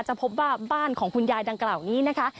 พบว่าบ้านของคุณยายดังกล่าวนี้นะคะ